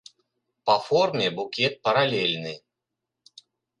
Па форме букет паралельны.